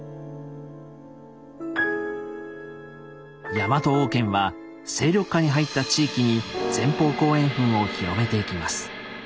ヤマト王権は勢力下に入った地域に前方後円墳を広めていきます。